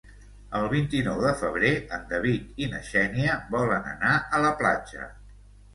El vint-i-nou de febrer en David i na Xènia volen anar a la platja.